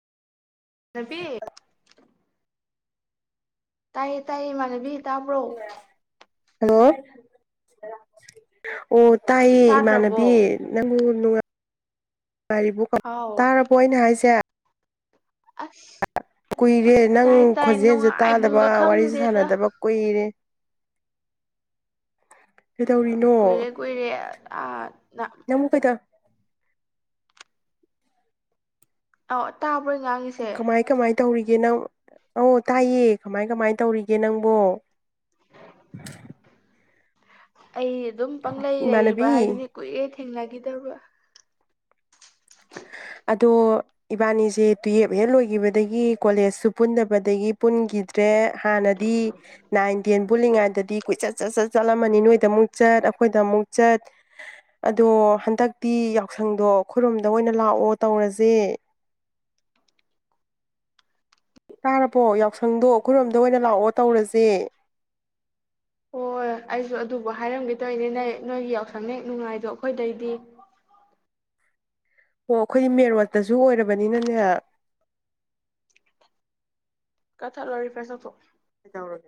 ꯅꯕꯤ ꯇꯥꯏꯌꯦ ꯇꯥꯏꯌꯦ ꯏꯃꯥꯅꯕꯤ ꯇꯕ꯭ꯔꯣ ꯍꯜꯂꯣ ꯑꯣ ꯇꯥꯏꯌꯦ ꯏꯃꯥꯟꯅꯕꯤ ꯇꯥꯗ꯭ꯔꯕꯣ ꯅꯪ ꯅꯨꯡꯉꯥꯏ ꯉꯔꯤꯕꯨ ꯀꯃ ꯍꯥꯎ ꯇꯥꯔꯕꯣ ꯑꯩꯅ ꯍꯥꯏꯁꯦ ꯑꯁ ꯀꯨꯏꯔꯦ ꯅꯪ ꯇꯥꯏ ꯇꯥꯏ ꯈꯣꯟꯖꯦꯜꯁꯦ ꯇꯥꯗꯕ ꯅꯨꯡꯉꯥꯏꯕꯨꯡꯒ ꯋꯥꯔꯤꯁꯦ ꯈꯪꯗꯦꯗ ꯁꯥꯟꯅꯗꯕ ꯀꯨꯏꯔꯦ꯫ ꯀꯩꯗꯧꯔꯤꯅꯣ ꯀꯨꯏꯔꯦ ꯀꯨꯏꯔꯦ ꯑ ꯅ ꯅꯪꯕꯨ ꯀꯩꯗ ꯑꯧ ꯇꯥꯕ꯭ꯔꯣ ꯑꯩ ꯉꯥꯡꯉꯤꯁꯦ ꯀꯃꯥꯏ ꯀꯃꯥꯏ ꯇꯧꯔꯤꯒꯦ ꯅꯪ ꯑꯧ ꯇꯥꯏꯌꯦ ꯀꯃꯥꯏ ꯀꯃꯥꯏ ꯇꯧꯔꯤꯒꯦ ꯅꯪꯕꯣ? [inaudible] ꯑꯩ ꯗꯨꯝ ꯄꯪꯂꯪ ꯂꯩꯔꯤꯕ ꯏꯃꯥꯟꯅꯕꯤ ꯍꯥꯏꯗꯨꯅꯤ ꯀꯨꯏꯔꯦ ꯊꯦꯡꯅꯈꯤꯗꯕ꯫ ꯑꯗꯣ ꯏꯕꯥꯅꯤꯁꯦ ꯇꯨꯌꯦꯞ ꯍꯦꯛ ꯂꯣꯏꯈꯤꯕꯗꯒꯤ ꯀꯣꯂꯦꯖꯁꯨ ꯄꯨꯟꯗꯕꯗꯒꯤ ꯄꯨꯟꯒꯤ ꯗꯔꯦ ꯍꯥꯟꯅꯗꯤ ꯅꯥꯏꯟ ꯇꯦꯟ ꯄꯨꯜꯂꯤꯉꯥꯏꯗꯗꯤ ꯀꯨꯏꯆꯠ ꯆꯠ ꯆꯠ ꯆꯠꯂꯝꯕꯅꯤ ꯅꯣꯏꯗ ꯑꯃꯨꯛ ꯆꯠ ꯑꯈꯣꯏꯗ ꯑꯃꯨꯛ ꯆꯠ ꯑꯗꯣ ꯍꯟꯗꯛꯇꯤ ꯌꯥꯎꯁꯪꯗꯣ ꯈꯨꯔꯨꯝꯗ ꯑꯣꯏꯅ ꯂꯥꯛꯑꯣ ꯇꯧꯔꯖꯦ꯫ ꯇꯥꯔꯕꯣ ꯌꯥꯎꯁꯪꯗꯣ ꯈꯣꯏꯔꯣꯝꯗ ꯑꯣꯏꯅ ꯂꯥꯛꯑꯣ ꯇꯧꯔꯖꯦ꯫ ꯍꯣꯏ ꯑꯩꯁꯨ ꯑꯗꯨꯕꯨ ꯍꯥꯏꯔꯝꯒꯦ ꯇꯧꯅꯤ ꯅ ꯅꯣꯏꯒꯤ ꯌꯥꯎꯁꯪꯅꯦꯛ ꯅꯨꯡꯉꯥꯏꯗꯣ ꯑꯩꯈꯣꯏꯗꯩꯗꯤ꯫ ꯑꯣ ꯑꯩꯈꯣꯏꯗꯤ ꯃꯦꯟ ꯔꯣꯠꯇꯁꯨ ꯑꯣꯏꯔꯕꯅꯤꯅꯅꯦ ꯀꯊꯠꯂꯣ ꯔꯤꯐꯔꯦꯁ ꯇꯧꯊꯣ꯫ ꯀꯗꯧꯔꯒꯦ